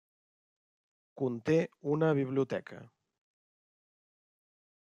Conté una biblioteca.